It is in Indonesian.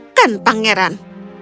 dan bukan pangeran